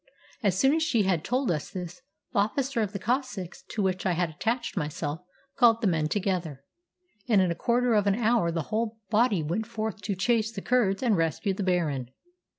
As soon as she had told us this, the officer of the Cossacks to which I had attached myself called the men together, and in a quarter of an hour the whole body went forth to chase the Kurds and rescue the Baron.